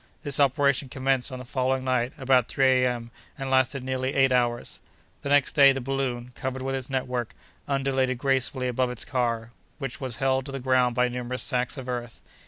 This operation commenced on the following night, about three A.M., and lasted nearly eight hours. The next day, the balloon, covered with its network, undulated gracefully above its car, which was held to the ground by numerous sacks of earth.